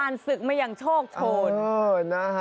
ผ่านศึกมันอย่างโชคโทน